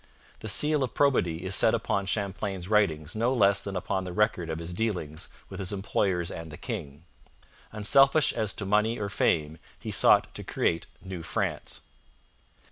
The seal of probity is set upon Champlain's writings no less than upon the record of his dealings with his employers and the king. Unselfish as to money or fame, he sought to create New France.